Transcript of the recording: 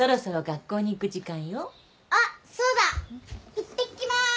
いってきます。